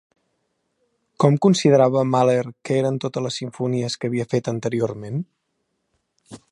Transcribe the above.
Com considerava Mahler que eren totes les simfonies que havia fet anteriorment?